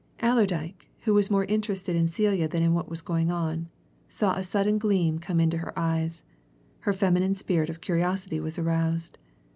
Allerdyke, who was more interested in Celia than in what was going on, saw a sudden gleam come into her eyes her feminine spirit of curiosity was aroused.